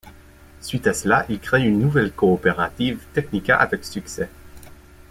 Suite à cela il crée une nouvelle coopérative Technika avec succès.